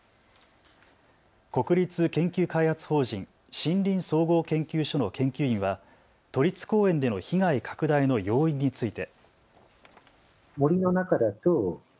国立研究開発法人、森林総合研究所の研究員は都立公園での被害拡大の要因について。